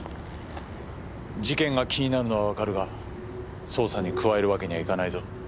事件が気になるのはわかるが捜査に加えるわけにはいかないぞ。